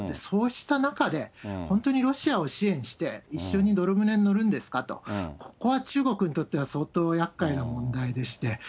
そうした中で、本当にロシアを支援して、一緒に泥船に乗るんですかと、ここは中国にとっては相当やっかいな問題でして。